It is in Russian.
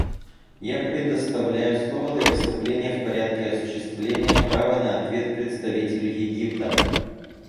Я предоставляю слово для выступления в порядке осуществления права на ответ представителю Египта.